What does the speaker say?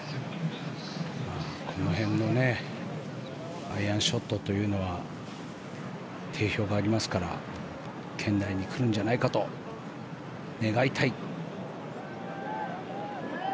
この辺のアイアンショットというのは定評がありますから圏内に来るんじゃないかと願いたい。